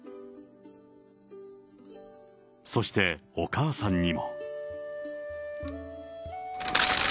そしてお母さんにも。